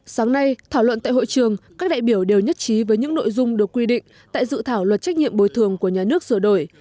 sáng nay thảo luận tại hội trường các đại biểu đều nhất trí với những nội dung được quy định tại dự thảo luật trách nhiệm bồi thường của nhà nước sửa đổi